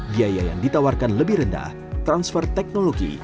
biaya yang ditawarkan lebih rendah transfer teknologi